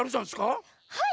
はい！